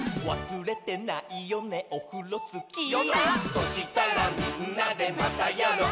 「そしたらみんなで『またやろう！』」